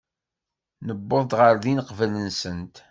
Newweḍ ɣer din qbel-nsent.